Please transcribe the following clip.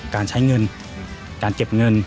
การใช้เงินการเก็บเงิน